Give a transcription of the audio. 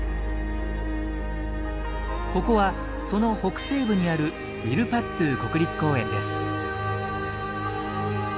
ここはその北西部にあるウィルパットゥ国立公園です。